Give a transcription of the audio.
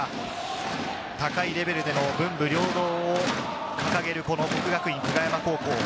高いレベルでの文武両道を掲げる國學院久我山高校。